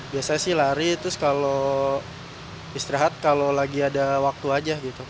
biasanya sih lari terus kalau istirahat kalau lagi ada waktu aja gitu